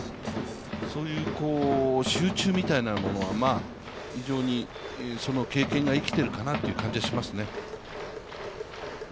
そういう集中みたいなものは、非常にその経験が生きているかなという感じがしますね。